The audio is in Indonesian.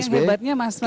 nah yang hebatnya mas didi